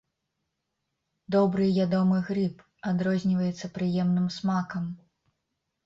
Добры ядомы грыб, адрозніваецца прыемным смакам.